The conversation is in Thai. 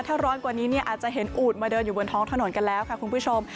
ถ้าร้อนกว่านี้เนี่ยอาจจะเห็นอูดมาเดินอยู่บนท้องถนนกันแล้วค่ะคุณผู้ชม